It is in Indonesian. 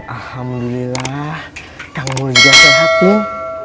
alhamdulillah kamu juga sehat tintin